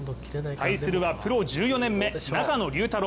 対するはプロ１４年目永野竜太郎。